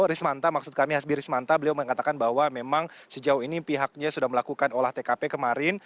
rismanta maksud kami hasbi rismanta beliau mengatakan bahwa memang sejauh ini pihaknya sudah melakukan olah tkp kemarin